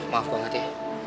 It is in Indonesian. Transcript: maaf banget ya